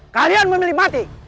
kalian memilih mati